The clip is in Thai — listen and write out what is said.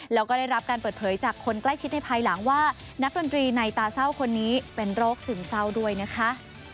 แล้วก็ได้รับการเปิดเผยจากคนใกล้ชิดในภายหลังว่านักดนตรีในตาเศร้าคนนี้เป็นโรคซึมเศร้าด้วยนะคะ